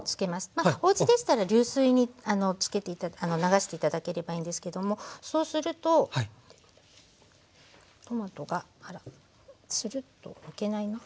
おうちでしたら流水に流して頂ければいいんですけどもそうするとトマトがあらツルッとむけないな。